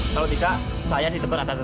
tapi jangan sampai kotor ya